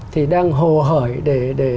thì đang hồ hởi để